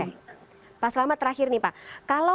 oke pak selamat terakhir nih pak